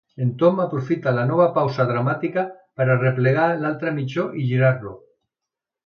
El Tom aprofita la nova pausa dramàtica per arreplegar l'altre mitjó i girar-lo.